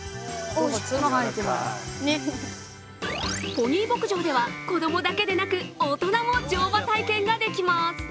ポニー牧場では、子供だけでなく大人も乗馬体験ができます。